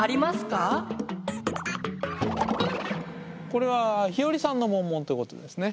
これはひよりさんのモンモンってことですね。